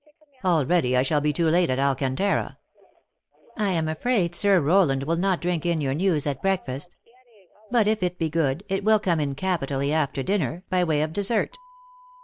Already I shall be too late at Alcantara." " I am afraid Sir Rowland will not drink in 3^0111 news at breakfast. But if it be good, it will come in capitally after dinner, by way of dessert."